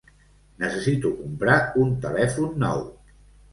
Necessito comprar un telèfon nou.